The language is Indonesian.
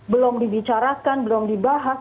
belum dibicarakan belum dibahas